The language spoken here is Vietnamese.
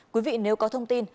quý vị nếu có thông tin